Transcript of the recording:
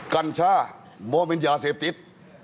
กัญช่าบอกว่าเป็นยาเสพติศ